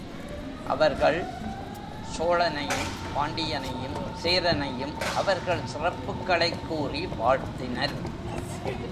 அவர்கள் சோழனையும், பாண்டியனையும், சேரனையும் அவர்கள் சிறப்புகளைக் கூறி வாழ்த்தினர்.